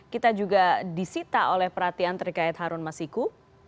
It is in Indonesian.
kita juga disita oleh perhatian terkait harun masiku